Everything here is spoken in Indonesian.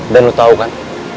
dan lu tau kan